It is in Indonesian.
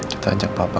kita ajak papa